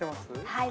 ◆はい。